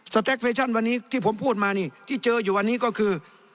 แตคเวชั่นวันนี้ที่ผมพูดมานี่ที่เจออยู่วันนี้ก็คือ